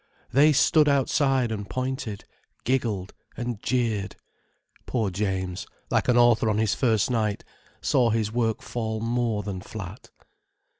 They stood outside and pointed, giggled, and jeered. Poor James, like an author on his first night, saw his work fall more than flat.